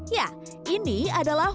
ya ini adalah